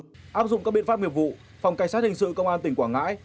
chúng tôi đã áp dụng các biện pháp hiệp vụ phòng cảnh sát hình sự công an tỉnh quảng ngãi